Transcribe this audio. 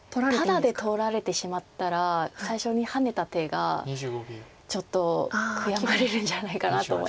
タダで取られてしまったら最初にハネた手がちょっと悔やまれるんじゃないかなと思います。